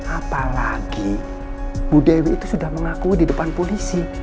apalagi bu dewi itu sudah mengakui di depan polisi